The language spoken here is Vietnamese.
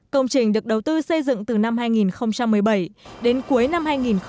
công trình được đầu tư xây dựng từ năm hai nghìn một mươi bảy đến cuối năm hai nghìn một mươi bảy